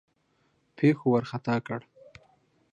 پیښو وارخطا کړ.